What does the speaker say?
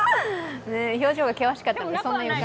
表情が険しかったもんね。